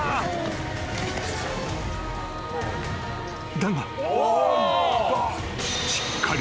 ［だが］